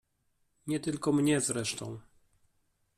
"Nie tylko mnie zresztą."